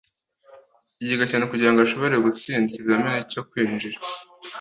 yiga cyane kugirango ashobore gutsinda ikizamini cyo kwinjira